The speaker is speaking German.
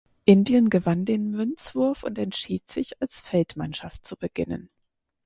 Indien gewann den Münzwurf und entschied sich als Feldmannschaft zu beginnen.